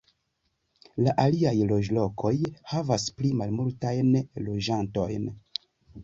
La aliaj loĝlokoj havas pli malmultajn loĝantojn.